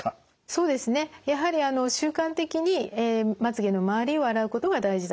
そうですねやはり習慣的にまつげの周りを洗うことが大事だと思います。